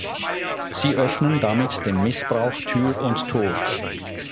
Sie öffnen damit dem Missbrauch Tür und Tor.